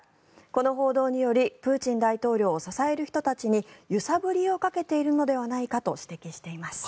この報道によりプーチン大統領を支える人たちに揺さぶりをかけているのではないかと指摘しています。